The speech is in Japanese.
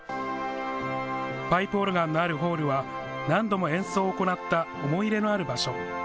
パイプオルガンのあるホールは何度も演奏を行った思い入れのある場所。